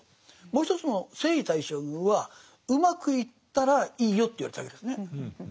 もう一つの征夷大将軍はうまくいったらいいよと言われたわけですね。